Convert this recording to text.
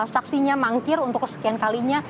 saksinya mangkir untuk kesekian kalinya